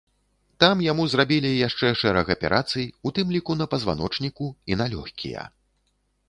Там яму зрабілі яшчэ шэраг аперацый, у тым ліку на пазваночніку і на лёгкія.